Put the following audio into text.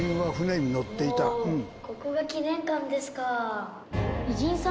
おぉここが記念館ですか。